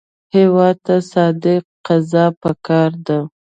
هېواد ته صادق قضا پکار ده